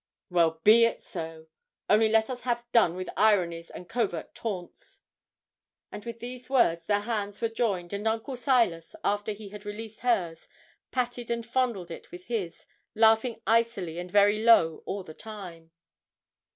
'Well, be it so; only let us have done with ironies and covert taunts.' And with these words their hands were joined; and Uncle Silas, after he had released hers, patted and fondled it with his, laughing icily and very low all the time.